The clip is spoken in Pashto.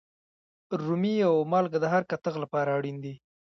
رومي او مالگه د هر کتغ لپاره اړین دي.